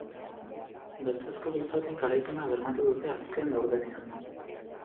Beltzezko gizonek garaipena bermatu dute azken laurdenean.